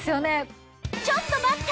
ちょっと待った！